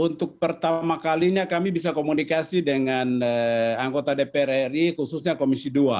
untuk pertama kalinya kami bisa komunikasi dengan anggota dpr ri khususnya komisi dua